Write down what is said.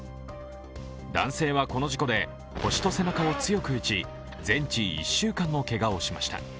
男性はこの事故で腰と背中を強く打ち全治１週間のけがをしました。